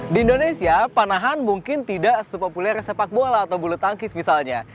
di indonesia panahan mungkin tidak sepopuler sepak bola atau bulu tangkis misalnya